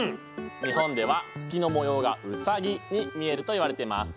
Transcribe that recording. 日本では月の模様がウサギに見えるといわれてます。